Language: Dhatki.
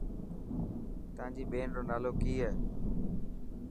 تانجي ٻين رو نالو ڪي هي.